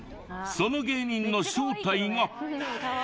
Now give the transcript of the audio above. その芸人の正体が。